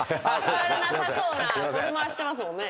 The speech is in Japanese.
座れなさそうなフォルムはしてますもんね。